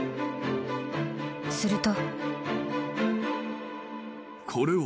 ［すると］